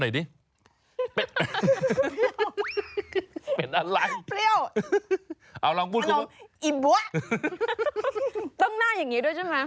ต้องน่าอย่างนี้ด้วยใช่ไหม